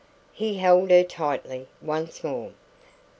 He held her tightly once more.